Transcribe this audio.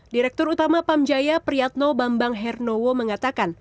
direktur utama pamjaya priyatno bambang hernowo mengatakan